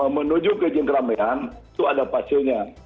menuju ke izin keramaian itu ada pasiennya